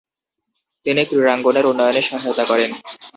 তিনি ক্রীড়াঙ্গনের উন্নয়নে সহায়তা করেন।